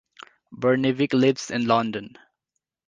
Barnevik lives in London.